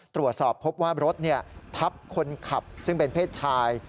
ตรวจสอบพบว่ารถทับคนขับซึ่งเป็นเพศชาย